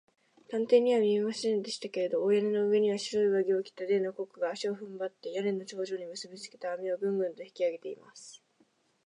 探偵には見えませんでしたけれど、大屋根の上には、白い上着を着た例のコックが、足をふんばって、屋根の頂上にむすびつけた綱を、グングンと引きあげています。